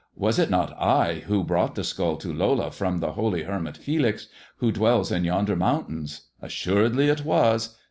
Was it not I who broi^ the skull to Lola from the holy hermit Felix, who^ dwell yonder mountains ? Assuredly it was.